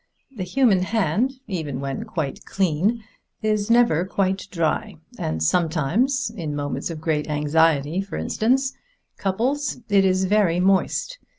The human hand, even when quite clean, is never quite dry, and sometimes in moments of great anxiety, for instance, Cupples it is very moist.